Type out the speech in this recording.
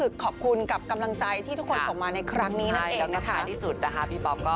ขอบคุณนะครับ